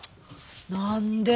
何で？